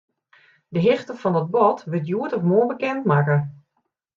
De hichte fan dat bod wurdt hjoed of moarn bekendmakke.